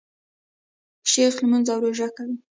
شیخ لمونځ او روژه کوي.